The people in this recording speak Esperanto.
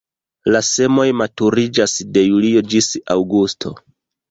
La semoj maturiĝas de julio ĝis aŭgusto.